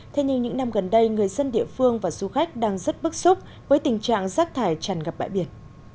thế nhưng những năm gần đây người dân địa phương và du khách đang rất bức xúc với tình trạng rác thải tràn gặp bãi biển